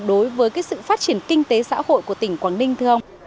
đối với sự phát triển kinh tế xã hội của tỉnh quảng ninh thưa ông